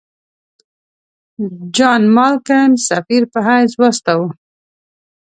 جان مالکم سفیر په حیث واستاوه.